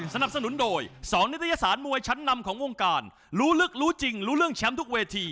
สนับสนุนโดย๒นิตยสารมวยชั้นนำของวงการรู้ลึกรู้จริงรู้เรื่องแชมป์ทุกเวที